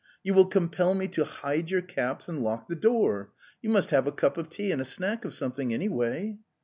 You will compel me to hide your caps and lock the door! You must have a cup of tea and a snack of something, anyway."